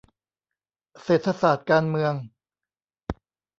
เศรษฐศาสตร์การเมือง